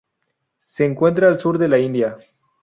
Se encuentra al sur de la India.